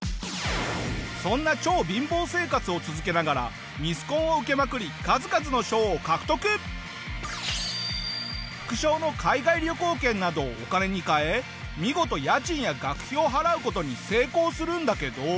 そんな超貧乏生活を続けながらミスコンを受けまくり副賞の海外旅行券などをお金に換え見事家賃や学費を払う事に成功するんだけど。